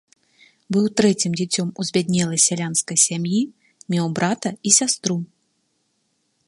Быў трэцім дзіцем у збяднелай сялянскай сям'і, меў брата і сястру.